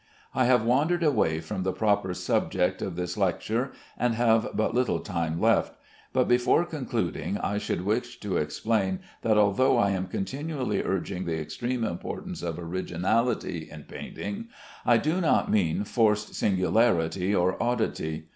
I have wandered away from the proper subject of this lecture, and have but little time left; but before concluding I should wish to explain that although I am continually urging the extreme importance of originality in painting, I do not mean forced singularity or oddity.